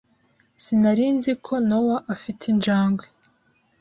Sinari nzi ko Nowa afite injangwe.